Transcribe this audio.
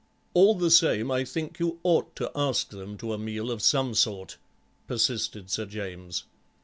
"All the same, I think you ought to ask them to a meal of some sort," persisted Sir James.